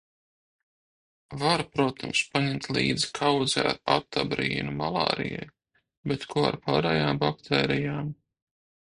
Var, protams, paņemt līdzi kaudzi ar atabrīnu malārijai, bet ko ar pārējām baktērijām?